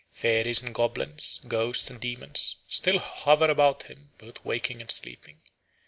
Fairies and goblins, ghosts and demons, still hover about him both waking and sleeping.